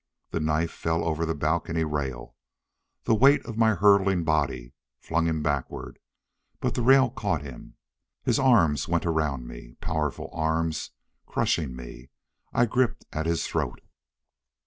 The knife fell over the balcony rail. The weight of my hurtling body flung him backward, but the rail caught him. His arms went around me. Powerful arms, crushing me. I gripped at his throat.